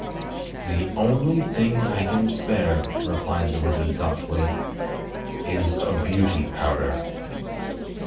"The only thing I can spare," replied the wizard, thoughtfully, "is a Beauty Powder."